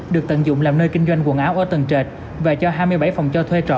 được tận dụng làm nơi kinh doanh quần áo ở tầng trệt và cho hai mươi bảy phòng cho thuê trọ